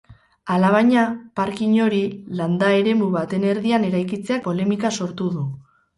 Alabaina, parking hori landa-eremu baten erdian eraikitzeak polemika sortu du.